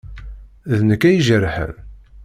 D nekk ay ijerḥen.